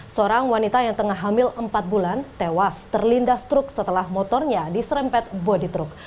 seorang wanita yang tengah hamil empat bulan tewas terlindas truk setelah motornya diserempet bodi truk